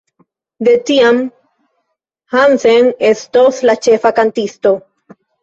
De tiam Hansen estos la ĉefa kantisto.